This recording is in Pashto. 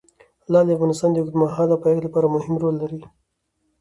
لعل د افغانستان د اوږدمهاله پایښت لپاره مهم رول لري.